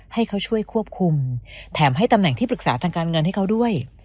ให้เขาช่วยควบคุมแถมให้ตำแหน่งที่ปรึกษาทางการเงินให้เขาด้วย